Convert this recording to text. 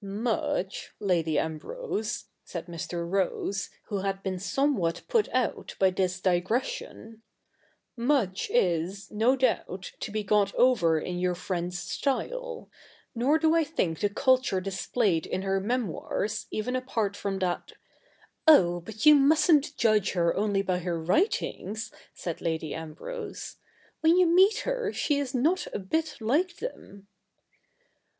'^Nluch, Lady Ambrose,' said Mr. Rose, who had been somewhat put out by this digression, ' much is, no doubt, to be got over in your friend's style ; nor do I think the culture displayed in her memoirs, even apart from that '' Oh, but you mustn't judge her only by her writings,' said Lady Ambrose. ' When you meet her, she is not a bit like them.'